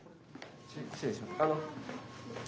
失礼します。